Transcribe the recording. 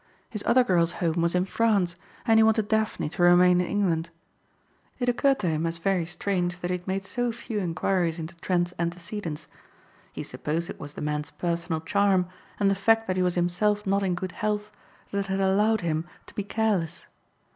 His other girl's home was in France and he wanted Daphne to remain in England. It occurred to him as very strange that he had made so few inquiries into Trent's antecedents. He supposed it was the man's personal charm and the fact that he was himself not in good health that had allowed him to be careless.